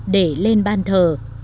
để lên bàn thờ